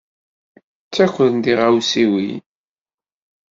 Ttakren tiɣawsiwin.